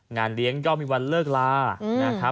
งานเลี้ยงยอมมีวันเลิกลา